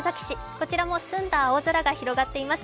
こちらも澄んだ青空が広がっています。